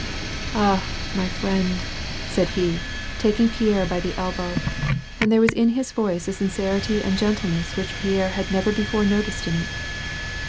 "Ah, my friend," said he, taking Pierre by the elbow, and there was in his voice a sincerity and gentleness which Pierre had never before noticed in it.